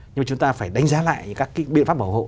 nhưng mà chúng ta phải đánh giá lại các cái biện pháp bảo hộ